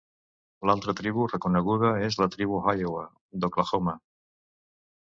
L'altra tribu reconeguda és la Tribu Iowa d'Oklahoma.